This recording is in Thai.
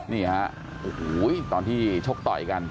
นี่ฮะโอ้โหตอนที่ชกต่อยกัน